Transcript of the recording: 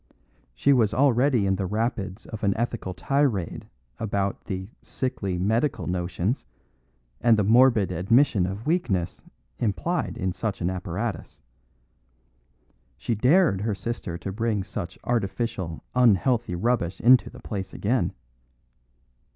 She was already in the rapids of an ethical tirade about the "sickly medical notions" and the morbid admission of weakness implied in such an apparatus. She dared her sister to bring such artificial, unhealthy rubbish into the place again.